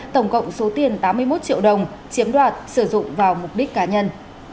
tổng cộng số tiền tám mươi một triệu đồng chiếm đoạt sử dụng vào mục đích cá nhân